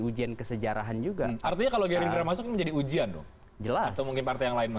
ujian kesejarahan juga artinya kalau dia masuk menjadi ujian jelas mungkin partai yang lain